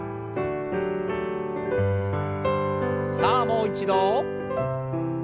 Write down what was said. さあもう一度。